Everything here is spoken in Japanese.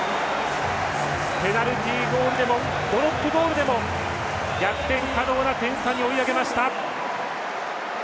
ペナルティゴールでもドロップゴールでも逆転可能な点差に追い上げました。